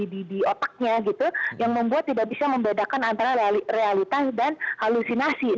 di otaknya gitu yang membuat tidak bisa membedakan antara realitas dan halusinasi